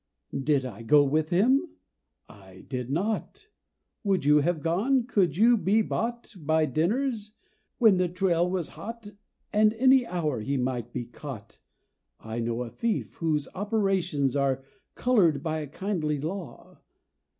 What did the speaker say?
"Did I go with him?" I did not. Would you have gone? Could you be bought By dinners when the trail was hot And any hour he might be caught? I know a thief, whose operations Are colored by a kindly law.